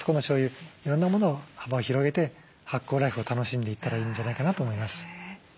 いろんなものを幅を広げて発酵ライフを楽しんでいったらいいんじゃないかなと思います。